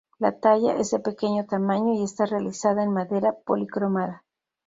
La talla, es de pequeño tamaño y está realizada en madera policromada.